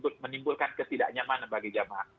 kita menimbulkan kesidaknyaman bagi jamaah